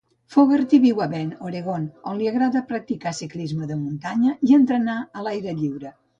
Fogarty viu a Bend, Oregon, on li agrada practicar ciclisme de muntanya i entrenar a l'aire lliure.